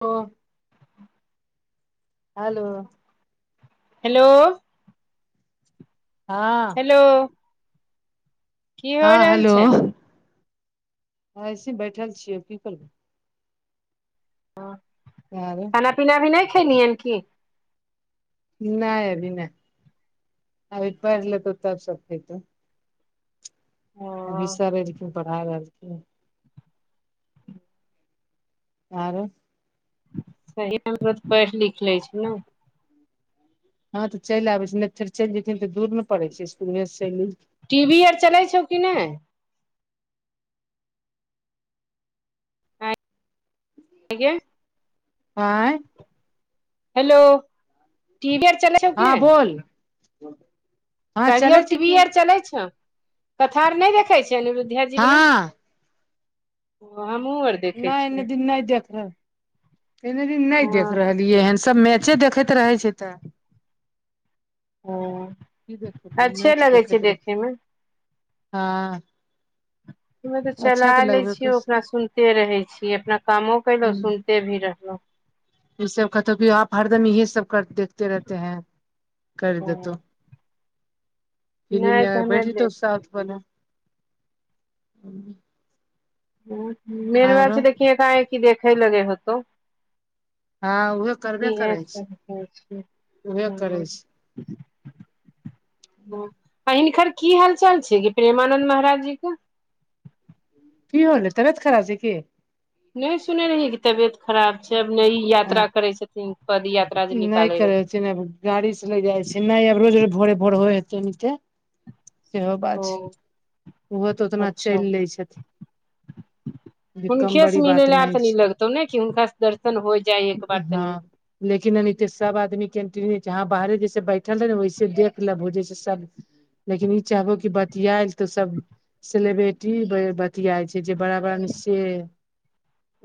ओ hello hello हँ hello की हो हँ रहल हेलो छै ऐसे बैठल छियै की करबै आरो खाना पीना अभी नहि खेलियन की नहि अभी नहि अभी पढ़ि लेतौ तब सब खैतो ओ अभी सर एलखिन पढ़ा रहलखिन आरो सही [unintelligible] हमो पढ़ि लिख लै छै ने हँ तऽ चलि आबै छै नहि फेरलि जेयथिन तऽ दूर ने पड़ै छै स्कुलमे से चल टी वी आर चलै छौ कि नहि आँइगे आँय हेलो टी वी आर चलै छौ कि हँ बोल हँ कहलियो चलै छै टीवी की आर चले छौ कथा आर नहि देखे छही अनिरूद धा जी बला हँ ओ हम्हु आर के नहि एने दिन नहि देखलै एने दिन नहि हँ देख रहलियै हन सभ मैचे देखैत रहै छै तऽ ओ की देख मैच देखैतै रही हँ ओमे तऽ चला अच्छा लै लगबे छियै अपना करतै सुनते रहै छीयै अपना कामो कैल ते भी रहलौं ई सब कहतौ की आप हरदम इहे सब कर देखते रहते हैं काटि देतो फील्म नहि या तऽ क बैठ हमे जैतौ देख साउथ बला मेन बात आरो छेलैय की एका की देखै लगै होतौ हँ उहे करबे इहे करै छी सब होइ छै उहे करै हँ, छै [inaudible] हिनकर की हाल चाल छै कि प्रेमानन्द महाराज जी के की होलै तबियत खराब छै की नहि सुनै रहिय कि तबियत खराब छै अब नहि ई हँ यात्रा करै छथिन पद यात्रा जे नहि निकाले करै रहथिन हथि ने गाड़ी से ले जाइ छै नहि आब रोज र भोरे भोर होइ हेतै ओनते इहो बात छै ओ ओहो तऽ उतना अच्छा चलि लै छथिन जे कम हुनके से बड़ी मिले बात ला नहि तनी छै लगतौ ने कि हुनका से दर्शन हो जाइ एक बार हँ तनी लेकिन एनैते सब आदमी कंटन छैहाँ बाहरे जैसे बैठल रहे ने वैसे देख लेबहो जैसे सब लेकिन ई चाहबो कि बतियाए तो सब सेलेब्रिटी याइ छै जे बड़ा बड़ा ने से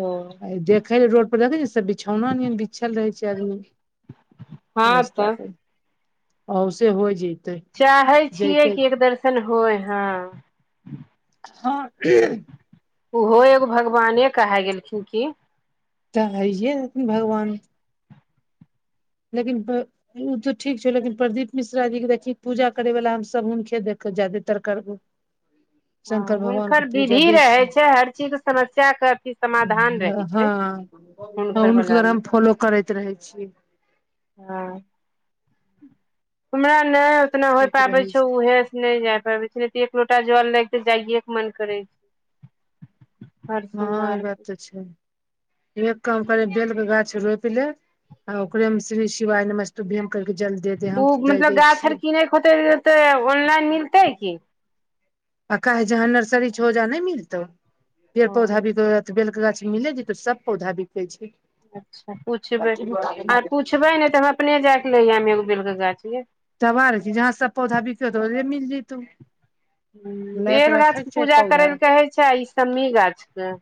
ओ देखे रोड पर देखै सब बिछौना नियन बिछल रहै छै आदमी हँ रस्ता तऽ पर औ सेे हो जैतै चाहे छियै कि एक दर्शन होय हँ हँ की ओहो एगो भगवाने कहे गेलखिन की तऽ अइए हथिन भगवान लेकिन प्रे ओ तऽ ठीक छौ लेकिन प्रदीप मिश्रा जीे देखी पूजा करै वला हम सभ हुनके देख जदातर करबो हू [inaudible] शंकर हँ भगवान के हुनकर पूजा विधि देशी रहै छै हर चीज समस्या के अथी समाधान रहै छै हँ वला हुनकर मे हम फॉलो करैत रहै छीयै हँ हमरा नहि उतना हो ठीक पाबै रहै छै उहे नहि जाय पाबै छै नहि तऽ एक लोटा जल लग तऽ जाइए के मन करै छै हर हँ ई सोमवार बात तऽ के छै एक काम करे बेलके गाछ रोपि ले आ ओकरे मे श्री शिवाय नमस्तुभ्यम कर के जल दे दे ओ हम तऽ दे मतलब दै गाछ आर छियै किनैके होतै तऽ ऑनलाइन मिलतै की आके जहाँ नर्सरी छै होजा नहि मिलतौ पेड़ ओ पौधा बिक बेल के गाछ मिले जेते सब पौधा बिकै छै अच्छा पुछबै आर पुछबै नहि तऽ हम अपने जायके ले आम एगो बेलके गाछ गै तब आर की जहाँ सब पौधा बिके तऽ वैहे जग मिल जेयतौ हँ बेल गाछके पूजा पौधा करै लए कहै छै आ ई समी गाछके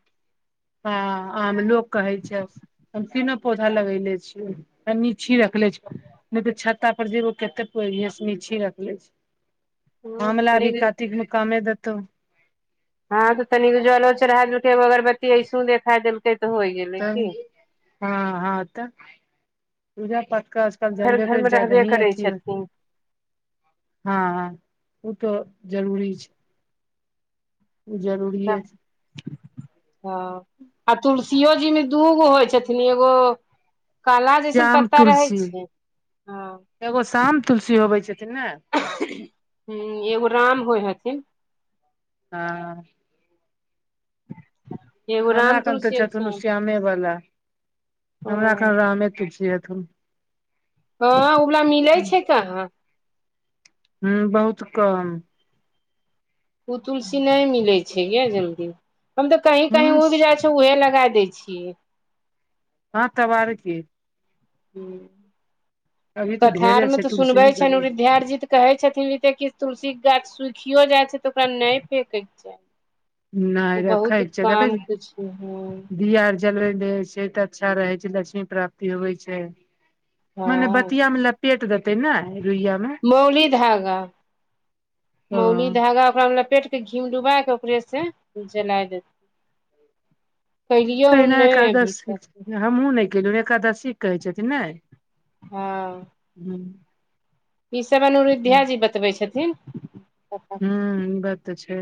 हँ आमलोक कहै छै हम तीनो पौधा लगेले छियै शमी छी रखले छी नहि तो छत्ता पर जेबो कते रेशमी छी रखलें हँ तऽ आमला तनी भी कातिकमे कामे देतौ हँं तऽ तनि जलो चढ़ा देलकैो अगरबती ऐसो देखा देलकै तऽ होये गेलेय त हँ हँ तऽ पूजा पाठ करै तब घर जलदे घर फेर मे जादा रहबे ही करै अथी होत छथिन हँ ओ तऽ जरूरी छै ओ जरूरी सब अछि हँ आ तुलसियो जीमे दूगो होइ छथिन एगो काला जैसन श्याम पत्ता रहै तुलसी छै हँ एगो शाम तुलसी होबै छथिन ने हुँ एगो राम होइ हथिन हँ एगो राम हमराखन तऽ तुलसी एगो छथुन श्याम श्यामे वाला ओ हमरा कन रामे तुलसी हथुन हँ ओ वला मिलै छै कहाँ हुँ बहुत कम ओ तुलसी नहि मिलैत छै ये जल्दी हम तऽ कही ह कहीं उग जाइ छै उऊहे लगा देै छियै हँ तब आर की हुँ अभी तऽ कथा आ ढेरे मे छै तऽ तुलसी सुनबे के भी। छथि कहे छथिन रीे क तुलसी के गाछ सुूखियो जाइ छै तऽ ओकरा नहि फेकयके छै नहि रै छैा देखै छै छथिन बिया आर ज जलबै दे छै तऽ अच्छा रहै छै लक्ष्मी प्राप्ति होइ छै मने हँ बतिियामे लपेट देतै ने रुइयामे मौली धागा मौली धागा ओकरा लपेट घिमे डुबा के उपरे से जला देतेय कलियौ हम नहि अभी तक हमहूँ नहि केलहुँ एकादशी कहै छथिन नहि हँ हुँ ई सब अनिुरुध्यााजी बतबै छथिन हूँ ई बात तऽ छै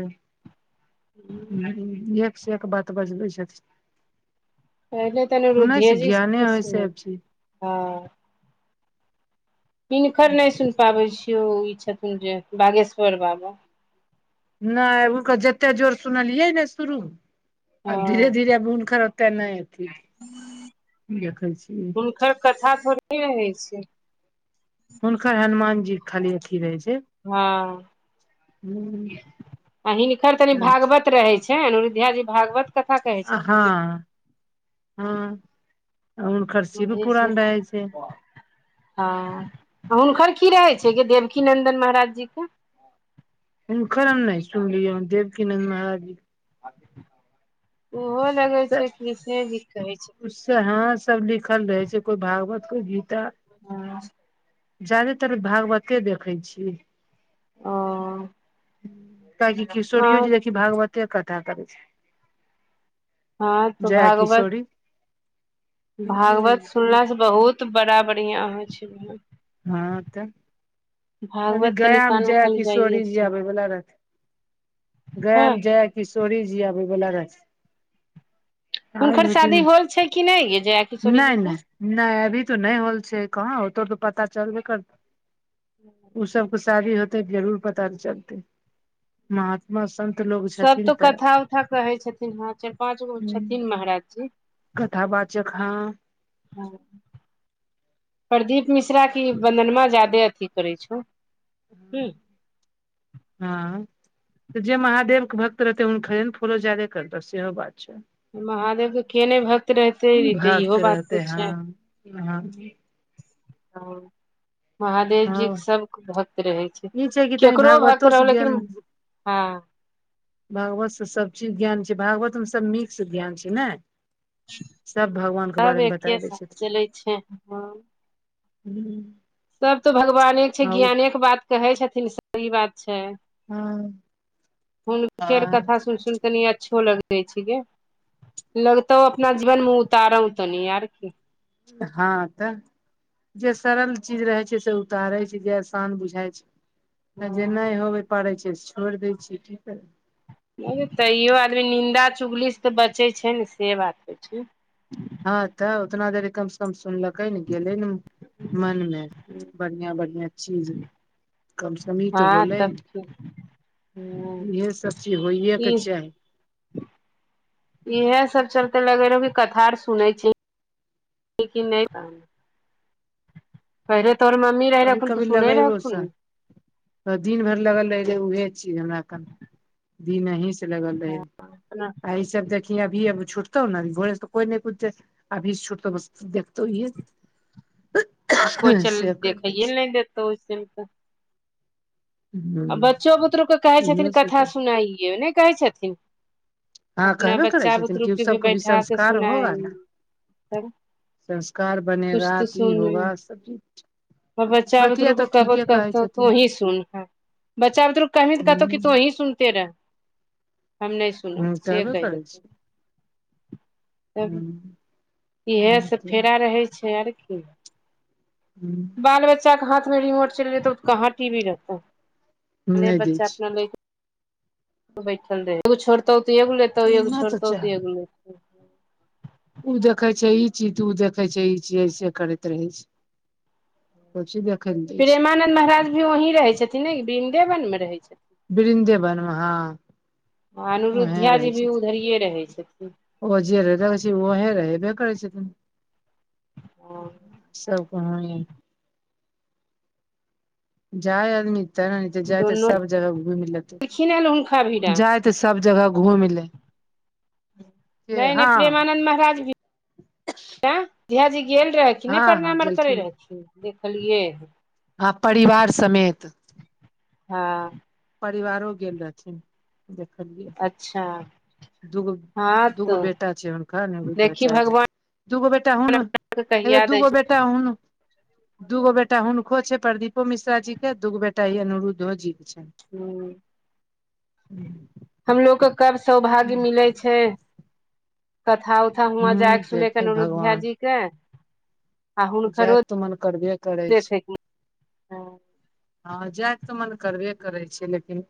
ह एक से एक बात बजबै छथिन पहिले तनि सुनै छी अनीरुद्धिज ज्ञाने खस होइ छै हँ सब चीज हिनकर नहि सुन पाबै छियै ई छथिथुन जे बागेश्वर बाबा नहि ओकर जते जोर सुनलियै ने शुरू आब हँ धीरे धीरे हुनकर केना नै अथि देखै छिय हुनकर कथा थोड़ेकी न रहै छ हुनकर हनुमान जी के खाली अथी रहै छै हँ हिनकर तनि हँ भागवत रहै छै अनुरुध्या जी भागवत कथा कहै छथिन अहाँ हँ हँ हुन हँ हुनकर की रहै छै देवकी नन्दन महाराज जी के हुनकर हम नहि सुनलिय देवकीनन्द महाराज जी कें ओहो लगै से से छै कृष्णेजी कहै छै उससे हां सब लिखल रहे छै कोई भागवत कोई गीता हँ ज्यादेतर भागवते देखै छीयै ओ कियाकि हँ किशोरियो जी देखि भागवते कथा करै छै हँ त जया भागवत किशोरी भागवत सुनलासँ बहुत बड़ा बढ़िआँ होइ छै हँ तऽ अभी भागवत तनि गया मे कान जया खाली जाइये के किशोरीजी छै आबै बला रहथिन हँ गयामे जया किशोरी जी आबै बला रहथिन आयल हुनकर शादी होथिन होल छै कि नहि य जया किशोरी नहि जीके नहि नहि अभी तो नहि होल छै कहाँ हो तो तऽ पता चलबे करतौ [inaudible] ओ सबके शादी होते जरूर पता चलतै महात्मा सन्त लोग सब छथिन तो तऽ कथा उथा कहै छथिन हँ चारि पाँच गो छथिन महाराज जी कथा वाचक हँ [unintelligible] प्रदीप मिश्रा के वन्दनमा ज्यादे अथी करै छौ हँ जे महादेवके भक्त रहतै हुनकरे ने फोलो जादे करतौ सेहो बात छै महादेवके के नहि भक्त रहते तऽ भक्त इहो बात तऽ रहते छै हँ हँ ह महादेव जी के हँ सबके भक्त रहै छै ई कि तनि केकरो भक्त भागवतो रहय से ज्ञान लेकिन हँ भागवत से सब चीज ज्ञान छै भागवतमे सब मिक्स ज्ञान छै ने सब भगवानके सब बारेमे बता एके दै साथ छथिन चलै छै हँ ह्म सब तऽ भगवाने के छै ज्ञाने के बात कहे छथिन सही बात छै हुनके आर कथा सुन सुन तनी अच्छो लगे छै गे लगतौ अपना जीवन मे उतारौ तनि आर कि हँ तऽ जे सरल चीज रहे छै से उतारे छै जे आसान बुझाय छै तऽ जे नहि होबे पड़ै छै से छोड़ दै छियै की करबै नहि तैयो आदमी निन्दा चुगली से तऽ बचै छै ने से बात होइ छै हँ तऽ उतना देरी कम से कम सुनलकै ने गेले ने मन मे बढ़िया बढिया चीज कम से कम ई तऽ हँ होलै तब ने की ह इहे सब चीज होइएके चाही इह सब चलते लगे रह की कथा आर सुनै छै लेकिन नै पहिले तोहर मम्मी रहै रखुन तऽ सुनै रहथुन ने त दिन भर लगल रहे उहे चीज हमरा क दिन अहीं से लगल रहे अपना ऐस जब देखि अभी अब छुटतो न भोरे स कोइ न कुछ अभी छोटो बस्त देखत ई आ कोइ चल कर दै देखइए ल छै नहि देत ओ चल क आ हूं बच्चो बुतरूके कहै इहे छथिन सब कथा कर, सुनाइए नहि कहै छथिन हँ अपना कहबे करै बच्चा छथिन कि ओ बुतरुके सबक भी बैठा के संस्कार होगा सुनाइ न तब संस्कार कुछ बनेगा तऽ ई होगा सब चीज र बच्चा बतिया बुतरु को कहबो ठीके तऽ कहै कबतो छथिन तूंही सुन बच्चा बुतरुक कही तऽ कहतौ क तो वही सुनते रहे हम नहि सुन सुनब ह से कहबे कहि देत करै छी तहन इहे सब फेरा रहै छै आओर की हूँ बाल बच्चा के हाथ मे रिमोट चल जेतै उ हटी भी रहत हैाल नहि दै बच्चा अपना छी लेके बैठल रह एगो छोड़त तऽ एगोे एगो नहि छोड़त चाह तऽ एगो ओ देखै छै ई चीज तऽ ओ देखै छै ई चीज ऐसे करैत रहै छै सब चीज देखै लए दै छै प्रेमानन्द महराज भी वहीं रहै छथिन ने वृन्देवनमे रहै छथिन बृन्देबन मे हँ आ ओहे अनुरुद्ध्या जी रहै भी छथिन उधरए रहै छथिन ओ जे रहताै छै ओह रहैबे करै छै त हँ सब कहानी जाय आदमी ते जाय त दुनू सब जगह घुमि लेतै एलखिन हन हुनका भीरा जा तऽ सब जगह घूम ले नहि नहि हँ प्रेमानन्द महाराज [unintelligible] भ धयाजी गेल रहे किछ नहि हँ हँ प्रणाम आर करै गेलखिन रहथिन देखलियै हम हँ परिवार समेत हँ परिवारो गेल रहथिन देखलियै अच्छा दूगो हँ दूगो तऽ बेटा छै हुनका ने देखी अनरूद्धाचार्यजी भगवान दूगो बेटा हुन के अ कहिया दै दूगो छै बेटा हन दूगो बेटा हुनको छै प्रदीपो मिश्रााजी के दूगो बेटा ई अनरुद्धो जी के छै हूंम्म हमलोग के कब सौभाग्य मिलै छै कथा उथा हुह जाय हूँ सुने के देखे अनुरुध्या भगवान जी के आ हुनकरो जायके तऽ मन करबे करै छै देखै हँ जायके तऽ मन करबे करै छै लेकिन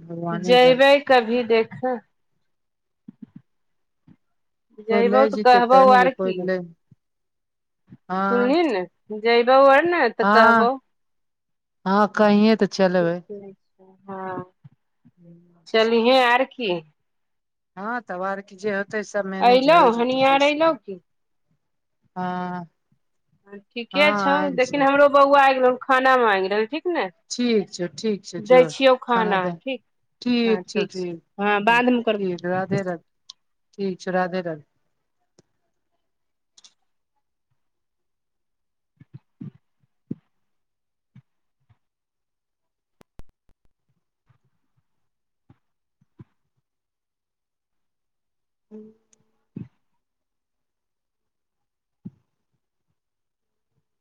भगवाने जेबै जानथिन कभी देखै कोइ जयबौ लै तऽ जेतै कहबौ तै ने यै आर कोइ की लै हँ सुनली ने जयबौ आर ने तऽ कहबो हँ हँ कहिये तऽ चलबै ठीक हँ चलिहें आर की हँ तब आरके जे होतै सब मैनेज अयलौ हो हनियार अयलौ जतै की हँ ठीके हँ छौ आयल लेकिन छै हमरो बौआ आ गेलौ खाना मांगि आ गेलौ ठीक ने ठीक छै ठीक छै जो दै छियौ खाना दे ठीक हँ ठीक छै हँ ठीक बादमे कर ठ राधे राधे ठीक छ राधे राध हूँ [unintelligible]